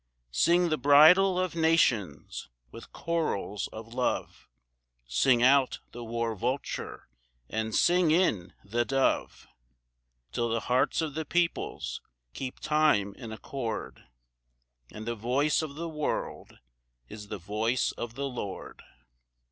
II. Sing the bridal of nations! with chorals of love Sing out the war vulture and sing in the dove, Till the hearts of the peoples keep time in accord, And the voice of the world is the voice of the Lord!